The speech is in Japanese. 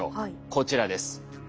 こちらです。